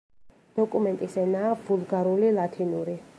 დოკუმენტის ენაა ვულგარული ლათინური.